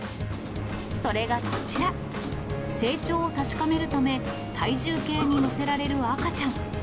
それがこちら、成長を確かめるため、体重計に乗せられる赤ちゃん。